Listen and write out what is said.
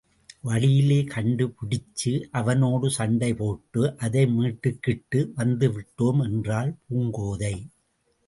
வழியிலே கண்டுபிடிச்சு, அவனோடு சண்டை போட்டு அதை மீட்டுக்கிட்டு வந்து விட்டோம்! என்றாள் பூங்கோதை.